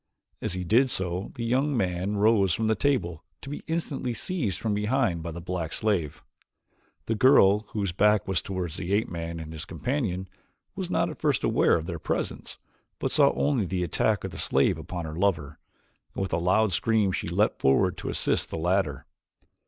As he did so the young man rose from the table to be instantly seized from behind by the black slave. The girl, whose back was toward the ape man and his companion, was not at first aware of their presence but saw only the attack of the slave upon her lover, and with a loud scream she leaped forward to assist the latter.